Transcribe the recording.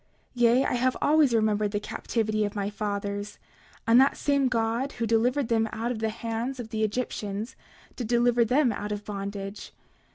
29:12 Yea, I have always remembered the captivity of my fathers; and that same God who delivered them out of the hands of the Egyptians did deliver them out of bondage.